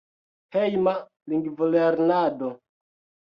Hejma lingvolernado.